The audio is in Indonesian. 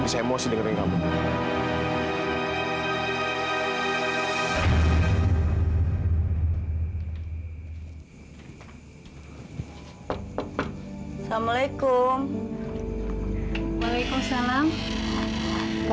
milah mau kasih tau ibu sesuatu